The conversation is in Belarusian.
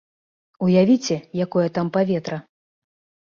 Уявіце, якое там паветра.